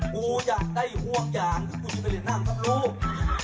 กูอยากได้ห่วงอย่างที่กูจะไปเรียนร่างครับลูก